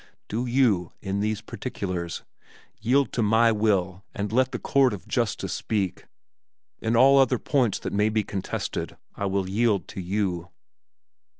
Do you, in these particulars, yield to my will and let the court of justice speak; in all other points that may be contested I will yield to you."